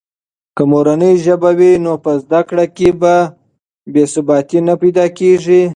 که مورنۍ ژبه وي نو په زده کړه کې بې ثباتي نه پیدا کېږي.